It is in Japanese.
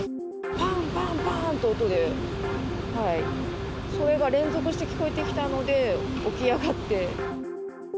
ぱんぱんぱんって音で、それが連続して聞こえてきたので、起き上がって。